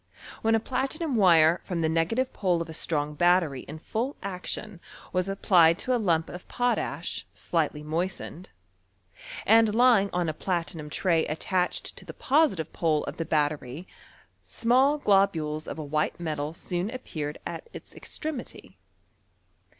AVhen a pla tinum wire from the negative pole of a strong battery in full action was applied to a lump of potash, slightly moistened, and lymg on a platinum tray attached to tlie positive pole of the battery, small globules of a white metal soon appeared at its extremity.